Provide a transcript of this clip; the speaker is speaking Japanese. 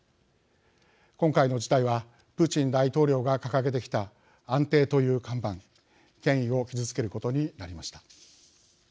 今回の事態はプーチン大統領が掲げてきた安定という看板、権威を傷つけることになりました。